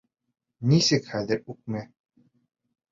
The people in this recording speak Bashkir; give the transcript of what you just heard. Нисек, хәҙер үкме?